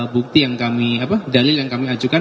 bukti yang kami dalil yang kami ajukan